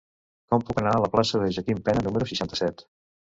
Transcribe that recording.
Com puc anar a la plaça de Joaquim Pena número seixanta-set?